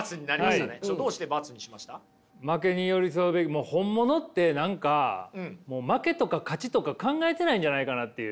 もう本物って何かもう負けとか勝ちとか考えてないんじゃないかなっていう。